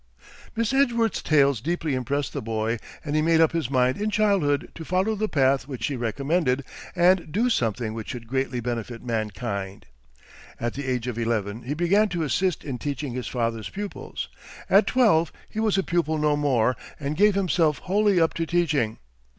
Miss Edgeworth's tales deeply impressed the boy, and he made up his mind in childhood to follow the path which she recommended, and do something which should greatly benefit mankind. At the age of eleven he began to assist in teaching his father's pupils. At twelve he was a pupil no more, and gave himself wholly up to teaching.